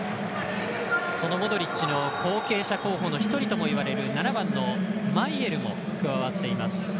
そのモドリッチの後継者候補の一人といわれる７番のマイエルも加わっています。